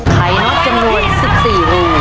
ไขนอกจำนวน๑๔อู๋